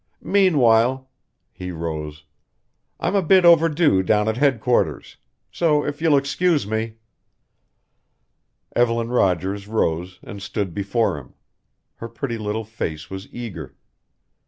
Meanwhile" he rose "I'm a bit overdue down at headquarters; so if you'll excuse me " Evelyn Rogers rose and stood before him. Her pretty little face was eager.